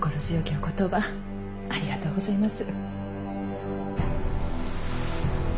お言葉ありがとうございます。